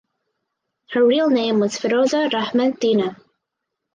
Her real name was Firoza Rahman Tina.